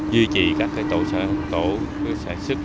duy trì các tổ sản xuất